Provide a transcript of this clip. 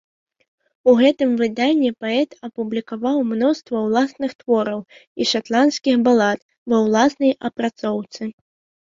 У гэтым выданні паэт апублікаваў мноства ўласных твораў і шатландскіх балад ва ўласнай апрацоўцы.